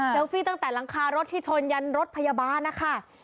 เซลฟี่ตั้งแต่รังคารถทิชชนยังรถพยาบาลนะค่ะ